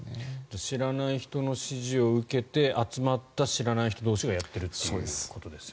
知らない人の指示を受けて集まった知らない人同士がやっているということですよね。